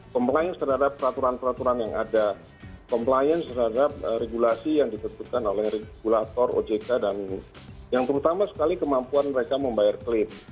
compliance terhadap peraturan peraturan yang ada compliance terhadap regulasi yang ditentukan oleh regulator ojk dan yang terutama sekali kemampuan mereka membayar klip